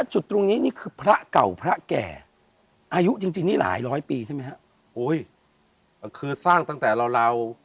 ให้หลายร้อยปีใช่ไหมฮะอุ้ยคือสร้างตั้งแต่เรา